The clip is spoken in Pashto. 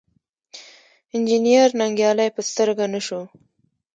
انجنیر ننګیالی په سترګه نه شو.